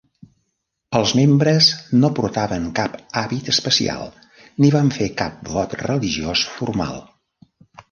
Els membres no portaven cap hàbit especial ni van fer cap vot religiós formal.